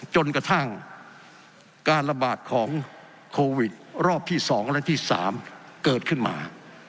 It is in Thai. จนกระทั่งการระบาดของโควิดรอบที่๒และที่๓เกิดขึ้นมา